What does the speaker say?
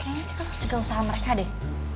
kayaknya kita harus jaga usaha mereka deh